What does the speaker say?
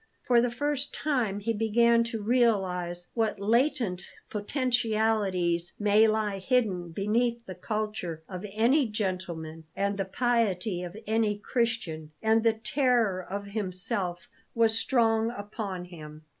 For the first time he began to realize what latent potentialities may lie hidden beneath the culture of any gentleman and the piety of any Christian; and the terror of himself was strong upon him.